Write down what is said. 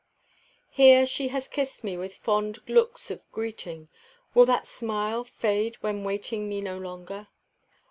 Here she has kissed me with fond looks of greeting; Will that smile fade when waiting me no longer?